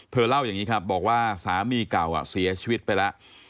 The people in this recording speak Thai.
เล่าอย่างนี้ครับบอกว่าสามีเก่าเสียชีวิตไปแล้ว